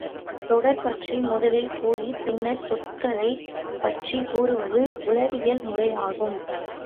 தொடர் பற்றி முதலில் கூறிப் பின்னர்ச் சொற்களைப் பற்றிக் கூறுவது உளவியல் முறை ஆகும்.